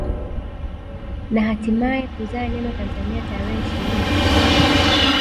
Na hatimae kuzaa neno Tanzania tarehe ishirina na sita